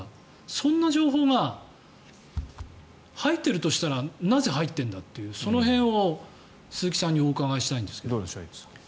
そんな情報が入っているとしたらなぜ入っているんだというその辺を鈴木さんにお伺いしたいんですけど。